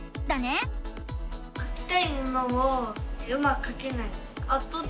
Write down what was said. かきたいものをうまくかけない。